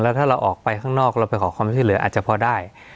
ถ้าเราออกไปข้างนอกเราไปขอความช่วยเหลืออาจจะพอได้